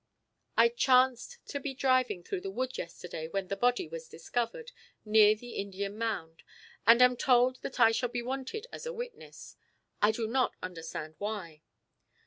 "I chanced to be driving through the wood yesterday when the body was discovered near the Indian Mound, and am told that I shall be wanted as a witness. I do not understand why."